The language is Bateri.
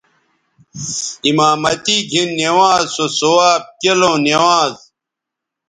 امامتی گھن نوانز سو ثواب کیلوں نوانز